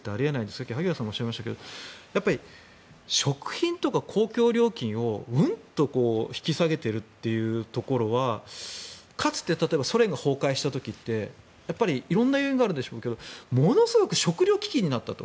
さっき萩谷さんもおっしゃいましたけど食品とか公共料金をうんと引き下げているというところはかつて、ソ連が崩壊した時って色んな要因があるんでしょうけどものすごく食糧危機になったと。